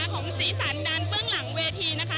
ของสีสันด้านเบื้องหลังเวทีนะคะ